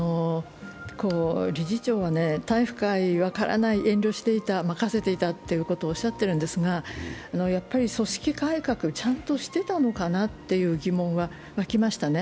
理事長はね、体育会は分からない、遠慮していた任せていたということをおっしゃっているんですが、組織改革、ちゃんとしていたのかなという疑問はわきましたね。